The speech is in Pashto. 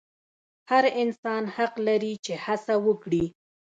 هر انسان حق لري چې هڅه وکړي.